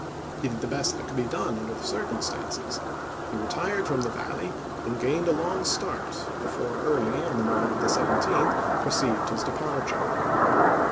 He did the best that could be done under the cir cumstances ; he retired from the Valley and gained a long start, before Early on the morning of the 17th perceived his departure.